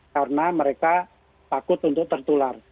karena mereka takut untuk tertular